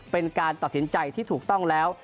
เป็นการตัดสินใจที่ถูกต้องแล้ว